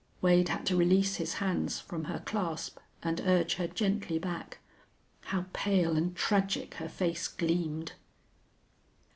Wade had to release his hands from her clasp and urge her gently back. How pale and tragic her face gleamed!